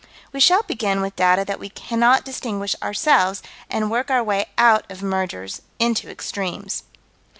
We shall begin with data that we cannot distinguish ourselves and work our way out of mergers into extremes.